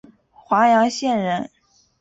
华阳县人。